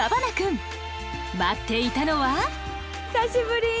待っていたのは久しぶり！